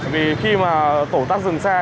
vì khi mà tổ tắt dừng xe